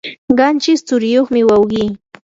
qanchis tsuriyuqmi wawqi.